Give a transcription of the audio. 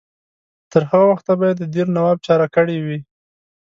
تر هغه وخته به یې د دیر نواب چاره کړې وي.